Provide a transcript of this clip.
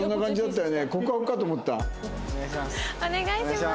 お願いします。